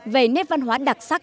về nét văn hóa đặc sắc